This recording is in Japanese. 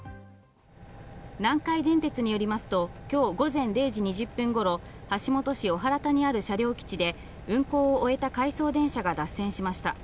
南海電鉄によりますと、今日午前０時２０分頃、橋本市小原田にある車両基地で運行を終えた回送電車が脱線しました。